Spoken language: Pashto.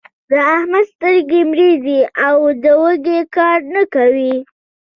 د احمد سترګې مړې دي؛ د وږي کار نه کوي.